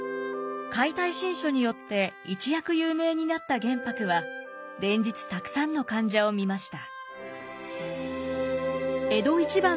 「解体新書」によって一躍有名になった玄白は連日たくさんの患者を診ました。